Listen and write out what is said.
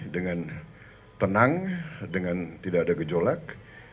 dengan tenang dengan tidak ada gejolak